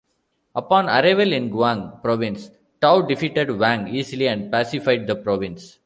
Upon arrival in Guang Province, Tao defeated Wang easily and pacified the province.